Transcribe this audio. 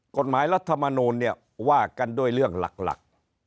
กฎหมายรัฐธรรมนูลเนี่ยว่ากันด้วยเรื่องหลัก